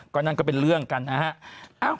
ก็นั่นก็เป็นเรื่องกันนะฮะ